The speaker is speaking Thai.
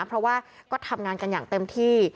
เพราะว่าก็ทำงานกันอย่างเต็มที่